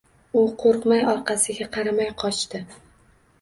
U qo‘rqmay orqasiga qaramay qochdi…